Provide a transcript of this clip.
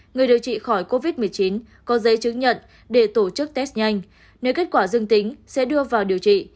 người điều trị khỏi covid một mươi chín có giấy chứng nhận để tổ chức test nhanh nếu kết quả dương tính sẽ đưa vào điều trị